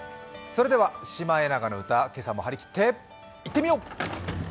「シマエナガの歌」、今朝も張り切っていってみよう！